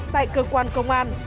tại cơ quan công an